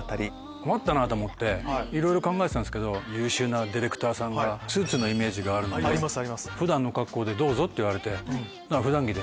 困ったなと思っていろいろ考えてたんですけど優秀なディレクターさんが「スーツのイメージがあるので普段の格好でどうぞ」と言われてだから普段着で。